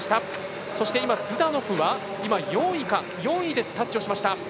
そしてズダノフは４位でタッチをしました。